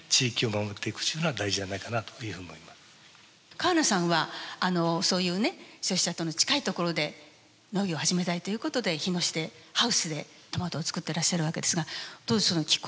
川名さんはそういう消費者との近いところで農業を始めたいということで日野市でハウスでトマトを作ってらっしゃるわけですが気候の変動という意味ではですね